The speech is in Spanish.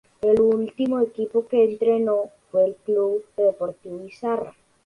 El último equipo que entrenó fue el Club Deportivo Izarra.